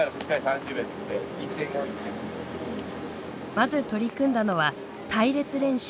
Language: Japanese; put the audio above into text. まず取り組んだのは隊列練習。